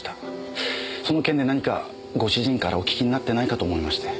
その件で何かご主人からお聞きになってないかと思いまして。